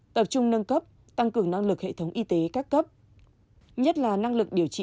tập trung nâng cấp tăng cường năng lực hệ thống y tế các cấp nhất là năng lực điều trị